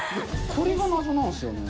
これが謎なんですよね。